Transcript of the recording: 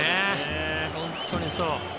本当にそう。